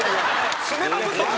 詰めまくってる！